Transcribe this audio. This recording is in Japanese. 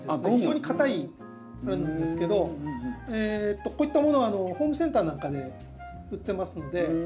非常に硬いんですけどこういったものがホームセンターなんかで売ってますので。